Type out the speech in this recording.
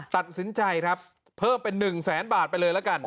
ตัดสินใจครับเพิ่มเป็น๑แสนบาทไปเลยละกัน